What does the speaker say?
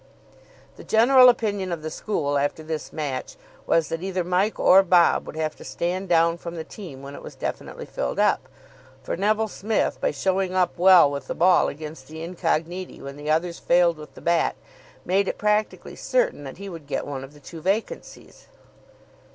The general opinion of the school after this match was that either Mike or Bob would have to stand down from the team when it was definitely filled up, for Neville Smith, by showing up well with the ball against the Incogniti when the others failed with the bat, made it practically certain that he would get one of the two vacancies.